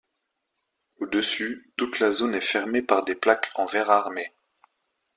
Au-dessus, toute la zone est fermée par des plaques en verre armé.